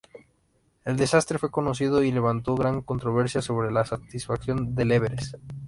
El desastre fue muy conocido y levantó gran controversia sobre la masificación del Everest.